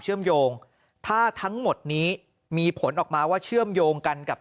เชื่อมโยงถ้าทั้งหมดนี้มีผลออกมาว่าเชื่อมโยงกันกับ